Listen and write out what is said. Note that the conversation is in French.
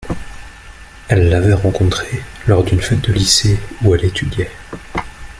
Elle l'avait rencontré lors d'une fête du lycée où elle étudiait.